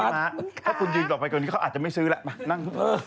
ถ้าคุณยืนต่อไปกว่านี้เขาอาจจะไม่ซื้อแล้วมานั่ง